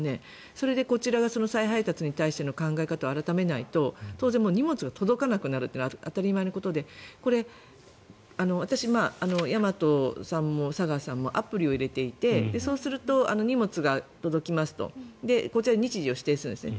それでこちらが再配達に対しての考え方を改めないと当然荷物が届かなくなるのは当たり前のことでこれ、私ヤマトさんも佐川さんもアプリを入れていてそうすると荷物が届きますとこちらで日時を指定するんです。